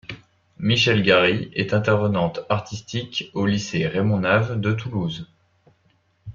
Michèle Gary est intervenante artistique au lycée Raymond Naves de Toulouse.